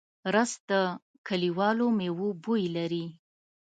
رس د کلیوالو مېوو بوی لري